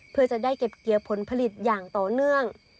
เพื่อจะได้เก็บเกี่ยวผลผลิตอย่างต่อเนื่อง